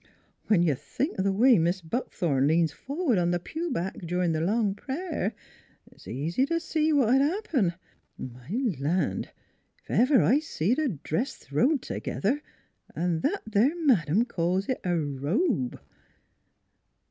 When you think o' th' way Mis' Buckthorn leans forward on the pew back durin' th' long prayer it's easy t' see what'd happen. My land ! ef ever I see a dress throwed together 'n' that there madam calls it a robe!